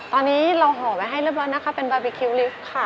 ตอนนี้เราห่อไว้ให้เรียบร้อยนะคะเป็นบาร์บีคิวลิฟต์ค่ะ